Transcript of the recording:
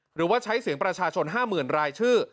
หรือว่าใช้เสียงประชาชน๕๐๐๐รายชื่อ